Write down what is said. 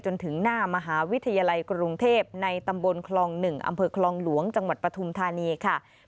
จนถึงหน้ามหาวิทยาลัยกรุงเทพในตำบลคลอง๑อำเภอคลองหลวงจังหวัดปฐุมธานีค่ะ